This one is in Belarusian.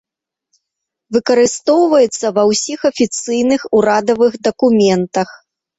Выкарыстоўваецца ва ўсіх афіцыйных урадавых дакументах.